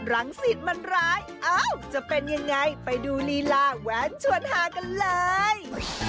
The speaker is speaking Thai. รังสิตมันร้ายอ้าวจะเป็นยังไงไปดูลีลาแว้นชวนหากันเลย